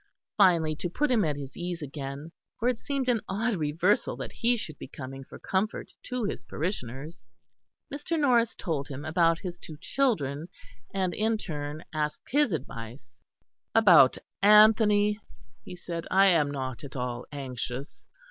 Finally, to put him at his ease again, for it seemed an odd reversal that he should be coming for comfort to his parishioners, Mr. Norris told him about his two children, and in his turn asked his advice. "About Anthony," he said, "I am not at all anxious.